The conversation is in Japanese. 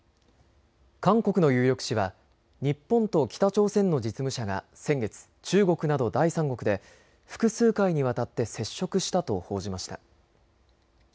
韓国の有力紙は日本と北朝鮮の実務者が先月、中国など第三国で複数回にわたって接触したと報じました。